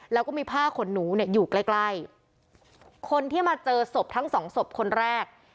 แล้วก็มีผ้าขนหนูเนี่ยอยู่ใกล้ใกล้คนที่มาเจอศพทั้งสองศพคนแรก